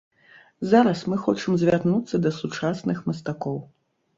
Зараз мы хочам звярнуцца да сучасных мастакоў.